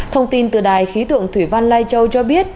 thông tin từ đài khí tượng thủy văn lai châu cho biết